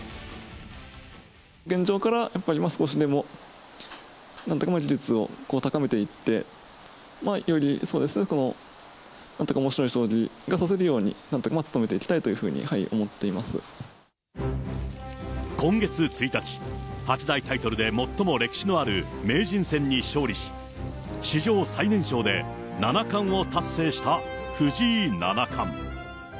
現状からやっぱり少しでもなんとか技術を、こう高めていって、より、そうですね、なんとかおもしろい将棋が指せるように、努めていきたいというふ今月１日、八大タイトルで最も歴史のある名人戦に勝利し、史上最年少で七冠を達成した藤井七冠。